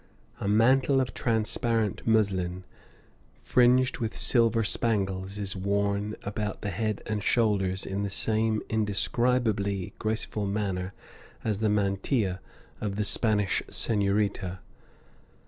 A mantle of transparent muslin, fringed with silver spangles, is worn about the head and shoulders in the same indescribably graceful manner as the mantilla of the Spanish senorita.